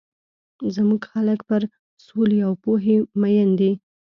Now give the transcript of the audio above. زموږ خلک پر سولي او پوهي مۀين دي.